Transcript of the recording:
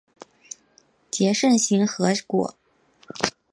结肾形核果。